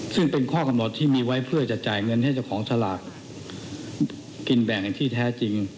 ซึ่งเป็นข้อกำหนดที่มีไว้เพื่อจะจ่ายเงินให้เจ้าของสลากกินแบ่งอย่างที่แท้จริง